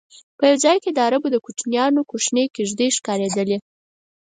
په یو ځای کې د عربو کوچیانو کوچنۍ کېږدی ښکارېدلې.